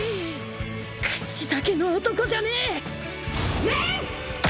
口だけの男じゃねえ！面！